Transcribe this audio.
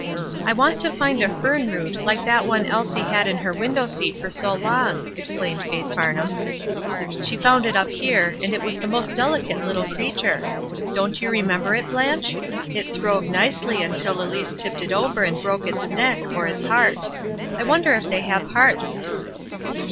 '^I want to find a fern root hke that one Elise had in her window seat for so long," explained Faith Farnham. ''She found it up here, and it was the most dehcate little creature. Don't you remember 138 ESTER RIED'S NAMESAKE it, Blanche ? It throve nicely until Elise tipped It over and broke its neck, or its heart I wonder if they have hearts?"